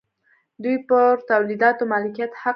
دوی پر تولیداتو مالکیت حق لري.